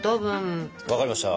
分かりました！